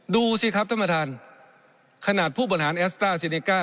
ดูสิครับท่านประธานขนาดผู้บริหารแอสต้าซีเนก้า